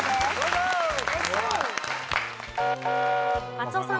松尾さん。